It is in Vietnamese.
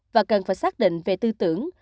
và cần phải xác định về tư tưởng